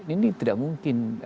ini tidak mungkin